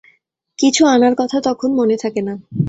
কিছু আনার কথা তখন মনে থাকে না।